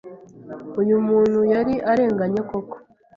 Uyu muntu yari arenganye koko”.